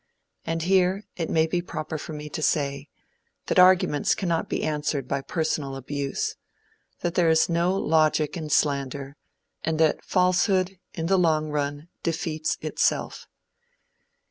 And here, it may be proper for me to say, that arguments cannot be answered by personal abuse; that there is no logic in slander, and that falsehood, in the long run, defeats itself.